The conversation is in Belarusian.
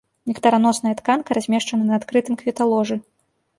Нектараносная тканка размешчана на адкрытым кветаложы.